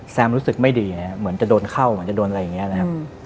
รู้สึกไม่ดีเหมือนจะโดนเข้าเหมือนจะโดนอะไรอย่างนี้นะครับ